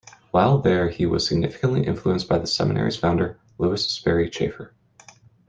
While there he was significantly influenced by the seminary's founder, Lewis Sperry Chafer.